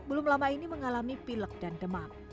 belum lama ini mengalami pilek dan demam